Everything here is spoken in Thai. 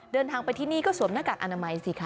เดินทางไปที่นี่ก็สวมหน้ากากอนามัยสิคะ